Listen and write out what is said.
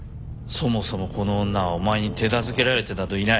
そもそもこの女はお前に手なずけられてなどいない。